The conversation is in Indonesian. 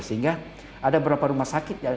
sehingga ada beberapa rumah sakit